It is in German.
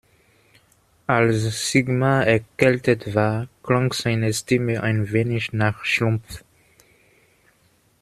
Als Sigmar erkältet war, klang seine Stimme ein wenig nach Schlumpf.